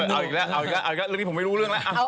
เอาอีกแล้วเอาอีกแล้วเรื่องนี้ผมไม่รู้เรื่องแล้ว